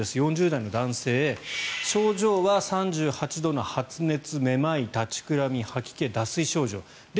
４０代の男性症状は３８度の発熱めまい、立ちくらみ吐き気、脱水症状。